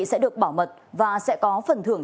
sẽ được bảo mật và sẽ có phần thưởng